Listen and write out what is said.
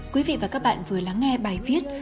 quý vị và các bạn vừa lắng nghe bài viết